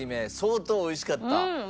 うんおいしかった。